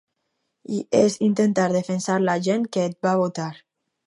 I és intentar defensar la gent que et va votar.